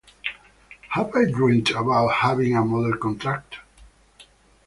Have I dreamt about having a model contract?